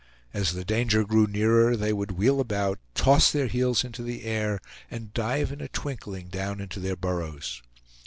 As the danger grew nearer they would wheel about, toss their heels into the air, and dive in a twinkling down into their burrows.